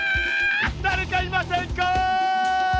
だれかいませんか！